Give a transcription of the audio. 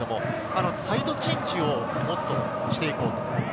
サイドチェンジをもっとしていこうと。